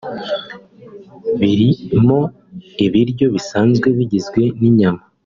birimoibiryo bisanzwe bigizwe n’inyama (Beef)